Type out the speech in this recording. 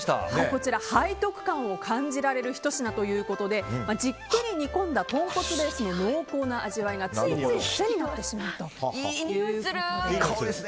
こちら背徳感を感じられるひと品ということでじっくり煮込んだとんこつペースの味わいがついつい癖になってしまうということです。